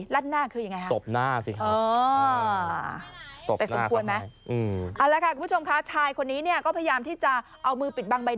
ลั่นหน้าคือยังไงครับ